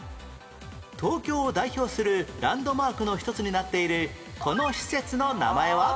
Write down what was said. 東京を代表するランドマークの一つになっているこの施設の名前は？